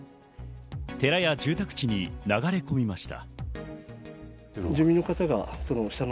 寺や住宅地に流れ込みました。